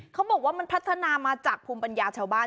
เขาบอกว่ามันพัฒนามาจากภูมิปัญญาชาวบ้าน